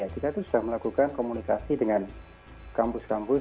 kita itu sudah melakukan komunikasi dengan kampus kampus